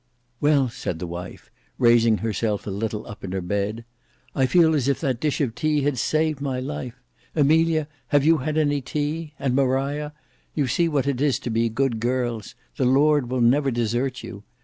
"Well," said the wife, raising herself a little up in her bed, "I feel as if that dish of tea had saved my life. Amelia, have you had any tea? And Maria? You see what it is to be good girls; the Lord will never desert you.